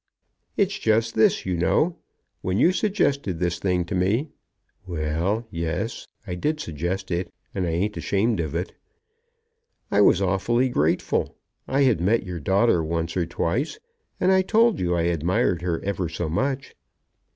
"It's just this, you know. When you suggested this thing to me " "Well; yes; I did suggest it, and I ain't ashamed of it." "I was awfully grateful. I had met your daughter once or twice, and I told you I admired her ever so much."